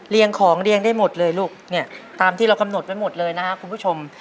ของเรียงได้หมดเลยลูกเนี่ยตามที่เรากำหนดไว้หมดเลยนะครับคุณผู้ชม